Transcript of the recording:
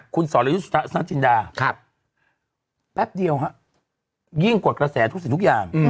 คุณสรยุทธสนจินดาแป๊บเดียวยิ่งกว่ากระแสทุกสิ่งทุกอย่าง